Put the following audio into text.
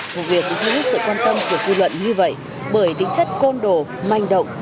vụ việc đối với sự quan tâm của dư luận như vậy bởi tính chất côn đồ manh động